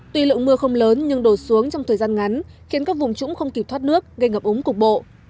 tuy lượng mưa không lớn nhưng đổ xuống trong thời gian ngắn khiến các vùng trũng không kịp thoát nước gây ngập úng cục bộ